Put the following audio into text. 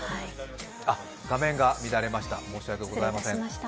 画面が乱れました、申し訳ございません。